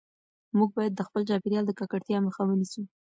موږ باید د خپل چاپیریال د ککړتیا مخه ونیسو.